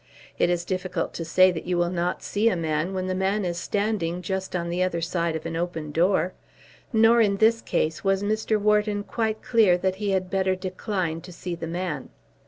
It is difficult to say that you will not see a man, when the man is standing just on the other side of an open door; nor, in this case, was Mr. Wharton quite clear that he had better decline to see the man.